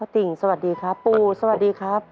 ติ่งสวัสดีครับปูสวัสดีครับ